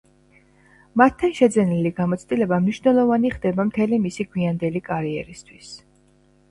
მათთან შეძენილი გამოცდილება მნიშვნელოვანი ხდება მთელი მისი გვიანდელი კარიერისთვის.